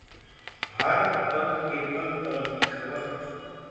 भारत बंद के पल-पल की खबर